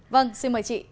vâng xin mời chị